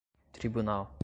tribunal